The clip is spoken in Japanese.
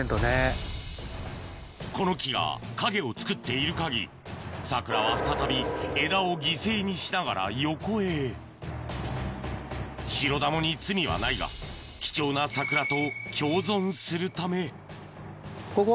この木が影をつくっている限りサクラは再び枝を犠牲にしながら横へシロダモに罪はないが貴重なサクラと共存するためここ？